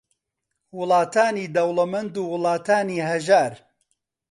وڵاتانی دەوڵەمەند و وڵاتانی ھەژار